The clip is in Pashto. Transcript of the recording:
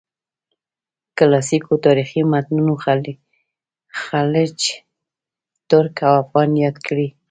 کلاسیکو تاریخي متونو خلج، ترک او افغان یاد کړي.